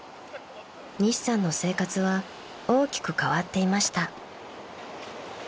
［西さんの生活は大きく変わっていました］